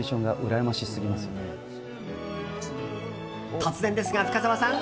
突然ですが、深澤さん。